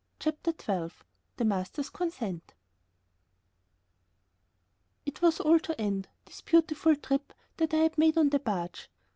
CHAPTER XII THE MASTER'S CONSENT It was all to end, this beautiful trip that I had made on the barge.